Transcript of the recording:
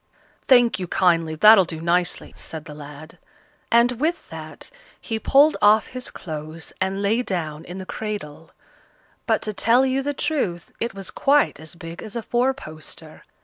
"Thank you kindly, that'll do nicely," said the lad; and with that he pulled off his clothes and lay down in the cradle; but, to tell you the truth, it was quite as big as a four poster.